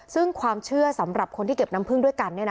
ซึ่งความเชื่อสำหรับคนที่เก็บน้ำพึ่งด้วยกัน